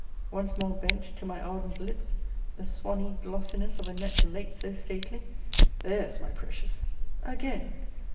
Once more bent to my ardent lips the swanny glossiness of a neck late so stately. There's my precious! Again!